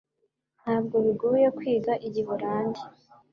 Ntabwo bigoye kwiga Igiholandi